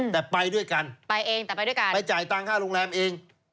แต่ไปด้วยกันไปจ่ายตังค่าโรงแรมเอง